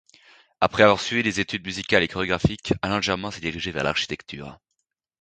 Après avoir suivi des études musicales et chorégraphiques, Alain Germain s'est dirigé vers l'architecture.